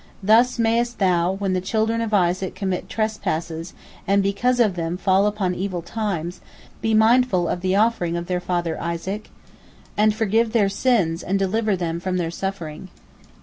Thus mayest Thou, when the children of Isaac commit trespasses and because of them fall upon evil times, be mindful of the offering of their father Isaac, and forgive their sins and deliver them from their suffering."